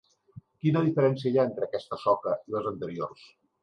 Quina diferència hi ha entre aquesta soca i les anteriors?